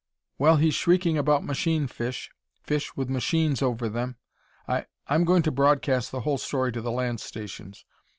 "Well, he's shrieking about 'machine fish' fish with machines over them!... I I'm going to broadcast the whole story to the land stations.